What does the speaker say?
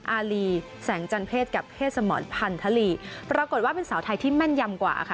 อารีแสงจันเพศกับเพศสมรพันธลีปรากฏว่าเป็นสาวไทยที่แม่นยำกว่าค่ะ